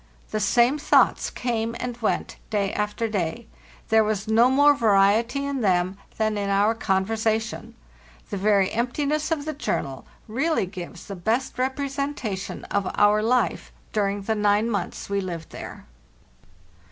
The same thoughts came and went day after day; there was no more variety in them than in our conversation. The very emptiness of the journal real ly gives the best representation of our life during the nine months we lived there.